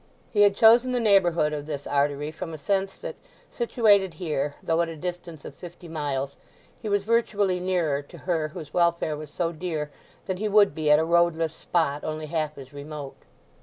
He had chosen the neighbourhood of this artery from a sense that, situated here, though at a distance of fifty miles, he was virtually nearer to her whose welfare was so dear than he would be at a roadless spot only half as remote.